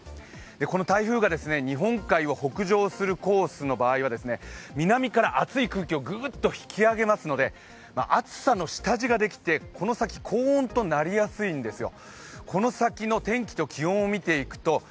この台風が日本海を北上するコースの場合は南から暑い空気をぐーっと引き上げますので暑さの下地ができてこの先高温となりやすいんですよ。